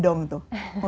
yang lagi digantung tuh